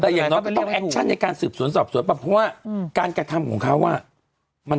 แต่อย่างน้อยต้องในการสืบสวนสอบสวนแบบเพราะว่าการกระทำของเขาว่ามัน